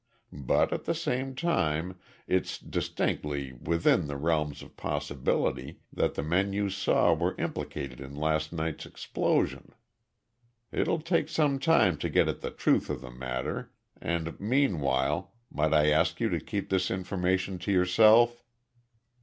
But at the same time it's distinctly within the realms of possibility that the men you saw were implicated in last night's explosion. It'll take some time to get at the truth of the matter and, meanwhile, might I ask you to keep this information to yourself?"